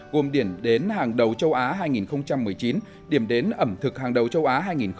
gồm điểm đến hàng đầu châu á hai nghìn một mươi chín điểm đến ẩm thực hàng đầu châu á hai nghìn hai mươi